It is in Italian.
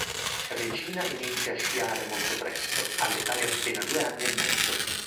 Regina inizia a sciare molto presto, all'età di appena due anni e mezzo.